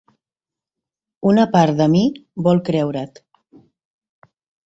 Una part de mi vol creure't.